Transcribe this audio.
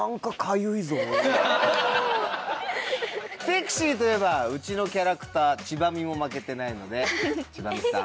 セクシーといえばうちのキャラクターチバ美も負けてないのでチバ美さん。